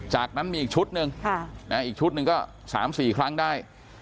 จากนั้นมีอีกชุดหนึ่งอีกชุดหนึ่งก็๓๔ครั้งได้